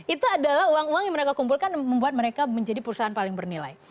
itu adalah uang uang yang mereka kumpulkan membuat mereka menjadi perusahaan paling bernilai